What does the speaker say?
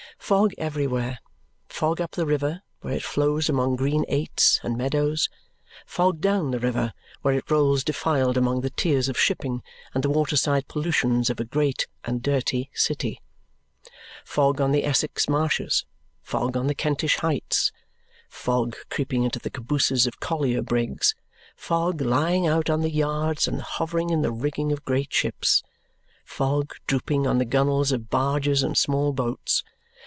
Fog everywhere. Fog up the river, where it flows among green aits and meadows; fog down the river, where it rolls defiled among the tiers of shipping and the waterside pollutions of a great (and dirty) city. Fog on the Essex marshes, fog on the Kentish heights. Fog creeping into the cabooses of collier brigs; fog lying out on the yards and hovering in the rigging of great ships; fog drooping on the gunwales of barges and small boats.